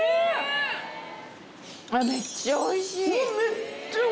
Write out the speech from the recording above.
めっちゃおいしい！